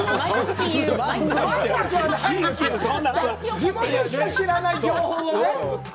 地元しか知らない情報をね。